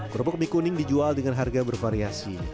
kerupuk mie kuning dijual dengan harga bervariasi